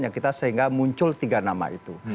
yang kita sehingga muncul tiga nama itu